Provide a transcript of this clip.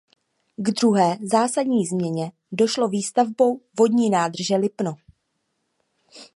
K druhé zásadní změně došlo výstavbou vodní nádrže Lipno.